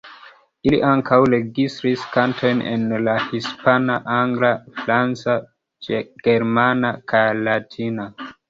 Ili ankaŭ registris kantojn en la hispana, angla, franca, germana kaj latina.